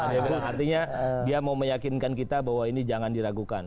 dia bilang artinya dia mau meyakinkan kita bahwa ini jangan diragukan